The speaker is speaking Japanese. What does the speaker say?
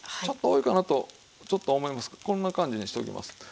ちょっと多いかなとちょっと思いますからこんな感じにしておきます。